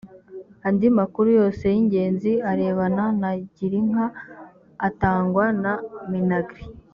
andi makuru yose y’ ingenzi arebana na girinka atangwa na minagri